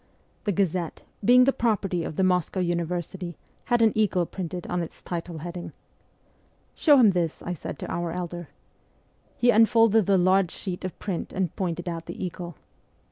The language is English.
The Gazette, being the property of the Moscow University, had an eagle printed on its title heading. ' Show him this,' I said to our elder. He unfolded the large sheet of print and pointed out the eagle.